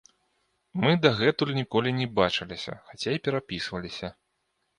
Мы дагэтуль ніколі не бачыліся, хаця і перапісваліся.